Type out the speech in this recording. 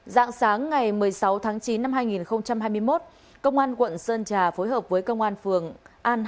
dạng sáng ngày một mươi sáu tháng chín năm hai nghìn hai mươi một công an quận sơn trà phối hợp với công an phường an hà